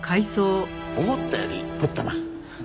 思ったより取ったな。